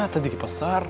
tadi di pasar